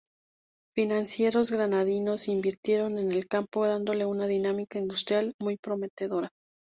Financieros granadinos invirtieron en el campo dándole una dinámica industrial muy prometedora.